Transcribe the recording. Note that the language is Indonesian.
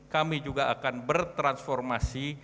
kami juga akan bertransformasi